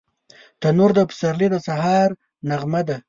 تنور د پسرلي د سهار نغمه ده